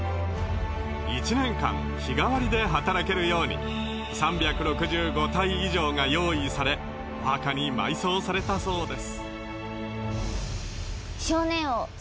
１年間日替わりで働けるように３６５体以上が用意されお墓に埋葬されたそうです。